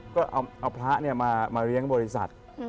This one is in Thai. ก็เอาพระมาเลี้ยงบริษัท